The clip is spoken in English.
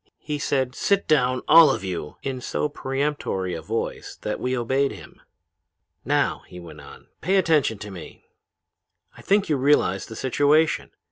He said, 'Sit down! All of you!' in so peremptory a voice that we obeyed him. "'Now,' he went on, 'pay attention to me. I think you realize the situation.